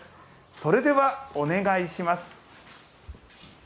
それではお願いします。